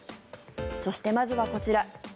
そしてまずはこちら。